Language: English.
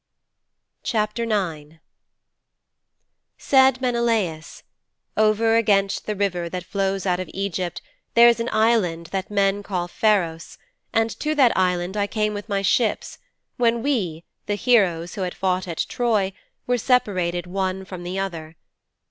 IX Said Menelaus, 'Over against the river that flows out of Egypt there is an Island that men call Pharos, and to that island I came with my ships when we, the heroes who had fought at Troy, were separated one from the other.